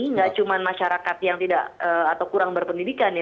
nggak cuma masyarakat yang tidak atau kurang berpendidikan ya